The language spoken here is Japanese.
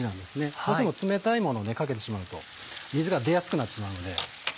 どうしても冷たいものをかけてしまうと水が出やすくなってしまうので。